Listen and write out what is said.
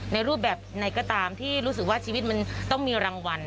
รูปแบบไหนก็ตามที่รู้สึกว่าชีวิตมันต้องมีรางวัล